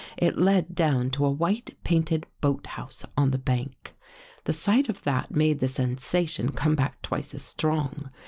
It led down to a white painted boathouse on the bank. The sight of that made the sensation come back twice as strong.